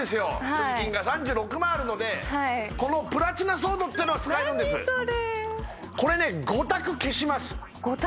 所持金が３６万あるのでこのプラチナソードってのを使えるんです何それこれね５択消します５択？